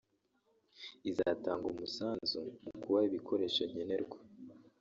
izatanga umusanzu mu kubaha ibikoresho nkenerwa